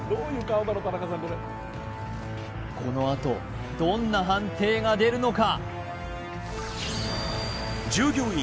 このあとどんな判定が出るのか？